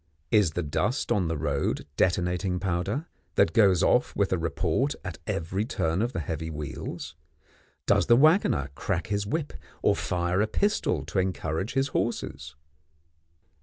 Is the dust on the road detonating powder, that goes off with a report at every turn of the heavy wheels? Does the waggoner crack his whip or fire a pistol to encourage his horses?